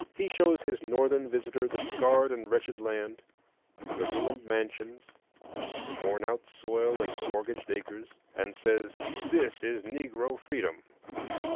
He shows his Northern visitor the scarred and wretched land; the ruined mansions, the worn out soil and mortgaged acres, and says, This is Negro freedom!